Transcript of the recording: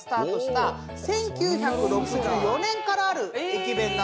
１９６４年からある駅弁なんです。